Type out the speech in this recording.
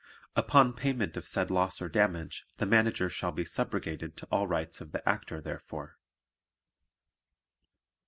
Upon payment of said loss or damage the Manager shall be subrogated to all rights of the Actor therefor.